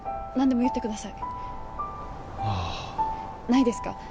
何でも言ってくださいあないですか？